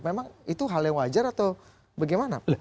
memang itu hal yang wajar atau bagaimana